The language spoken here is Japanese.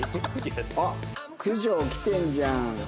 あっ九条来てるじゃん。